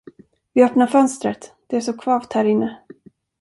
Vi öppnar fönstret, det är så kvavt härinne.